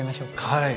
はい。